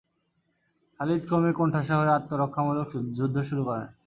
খালিদ ক্রমে কোণঠাসা হয়ে আত্মরক্ষামূলক যুদ্ধ শুরু করেন।